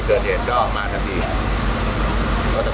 เพราะว่าเมืองนี้จะเป็นที่สุดท้าย